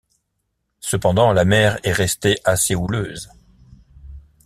Cependant, la mer est restée assez houleuse.